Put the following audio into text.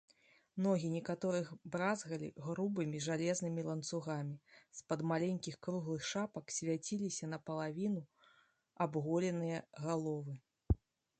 Ногі некаторых бразгалі грубымі жалезнымі ланцугамі, з-пад маленькіх круглых шапак свяціліся напалавіну абголеныя галовы.